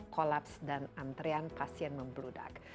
kolaps dan antrean pasien membludak